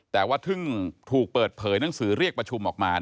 แต่ว่าเพิ่งถูกเปิดเผยหนังสือเรียกประชุมออกมา